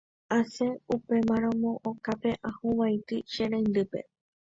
Asẽ upémaramo okápe ahuvaitĩ che reindýpe.